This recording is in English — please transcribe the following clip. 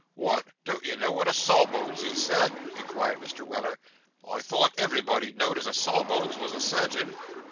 'What! Don't you know what a sawbones is, sir?' inquired Mr. Weller. 'I thought everybody know'd as a sawbones was a surgeon.